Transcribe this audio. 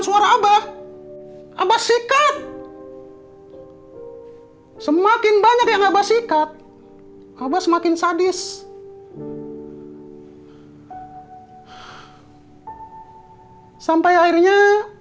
suara abah abah sikat semakin banyak yang abah sikat abah semakin sadis sampai akhirnya